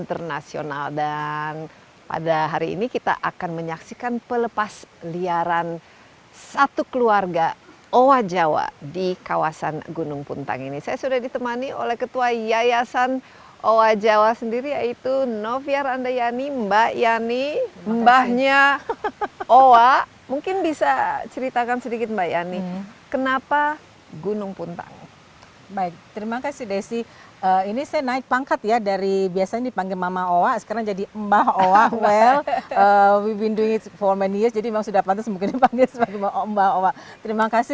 terima kasih telah menonton alam makarang